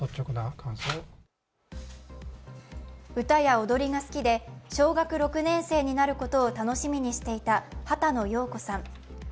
歌や踊りが好きで小学６年生になることを楽しみにしていた波多野耀子さん。